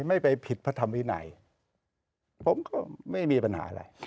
ไม่ไปผิดพระธรรมวินัยผมก็ไม่มีปัญหาอะไร